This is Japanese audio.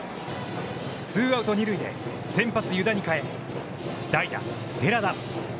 ツーアウト、二塁で、先発湯田に代え、代打寺田。